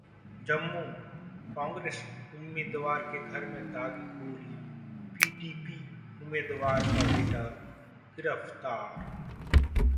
जम्मू: कांग्रेस उम्मीदवार के घर में दागी गोलियां, पीडीपी उम्मीदवार का बेटा गिरफ्तार